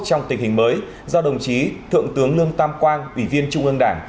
trong tình hình mới do đồng chí thượng tướng lương tam quang ủy viên trung ương đảng